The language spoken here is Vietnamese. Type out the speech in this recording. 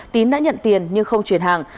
tín đã nhận tiền nhưng không chuyển hàng